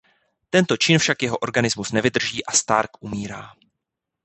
Tento čin však jeho organismus nevydrží a Stark umírá.